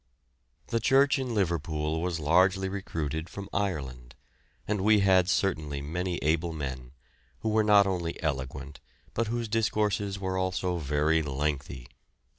The church in Liverpool was largely recruited from Ireland, and we had certainly many able men, who were not only eloquent but whose discourses were also very lengthy.